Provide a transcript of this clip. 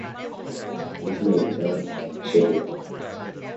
This may be done on a schedule.